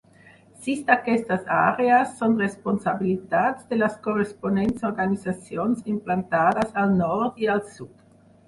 Sis d'aquestes àrees són responsabilitats de les corresponents Organitzacions implantades al nord i al sud.